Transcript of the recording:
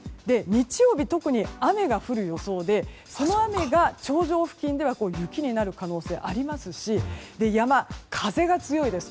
日曜日、特に雨が降る予想でこの雨が頂上付近では雪になる可能性がありますし山、風が強いです。